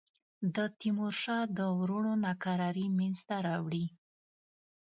د تیمورشاه د وروڼو ناکراری منځته راوړي.